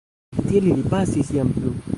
Tiel ili pasis jam plu.